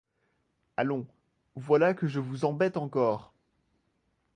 Allons, voilà que je vous embête encore!